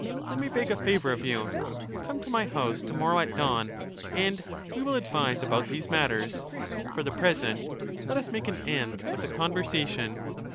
Let me beg a favor of you: come to my house to morrow at dawn, and we will advise about these matters. For the present, let us make an end of the conversation.